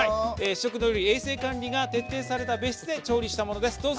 試食品は衛生管理が徹底された別室で調理したものです。